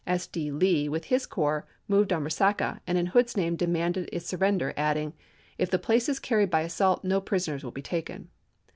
S. D. Lee, with his corps, moved on Eesaca, and in Hood's name demanded oct.12,1864, its surrender, adding, " If the place is carried by assault no prisoners will be taken."